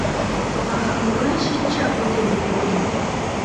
Ах, могай шинча Пуйто вет айдемын.